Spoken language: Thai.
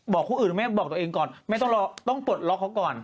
บอกคนอื่นแม่บอกตัวเองก่อนไม่ต้องรอต้องปลดล็อคเขาก่อน